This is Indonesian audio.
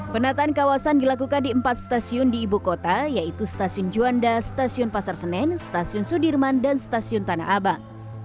penataan kawasan dilakukan di empat stasiun di ibu kota yaitu stasiun juanda stasiun pasar senen stasiun sudirman dan stasiun tanah abang